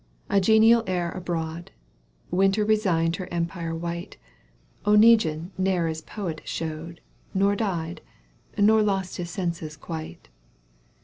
a genial air abroad, Winter resigned her empire white, Oneguine ne'er as poet showed л Nor died nor lost his senses quite.